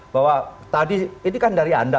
bahwa tadi ini kan dari anda